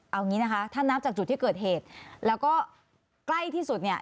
เอางี้นะคะถ้านับจากจุดที่เกิดเหตุแล้วก็ใกล้ที่สุดเนี่ย